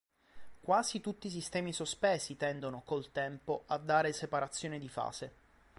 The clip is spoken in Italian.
Quasi tutti i sistemi sospesi tendono, col tempo, a dare separazione di fase.